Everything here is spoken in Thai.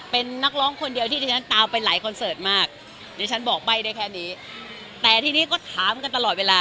เป็นนักร้องคนโปรดของดิฉัน